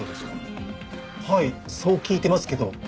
はいそう聞いてますけど。